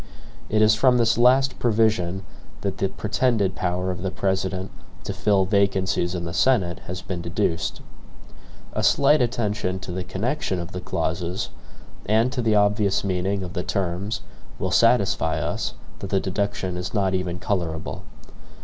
It is from this last provision that the pretended power of the President to fill vacancies in the Senate has been deduced. A slight attention to the connection of the clauses, and to the obvious meaning of the terms, will satisfy us that the deduction is not even colorable.